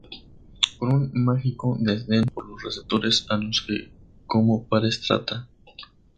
con un mágico desdén por los receptores a los que como pares trata